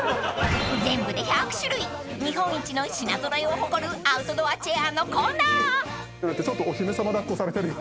［全部で１００種類日本一の品揃えを誇るアウトドアチェアのコーナー］